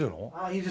いい？